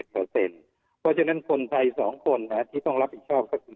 เพราะฉะนั้นคนไทย๒คนที่ต้องรับผิดชอบก็คือ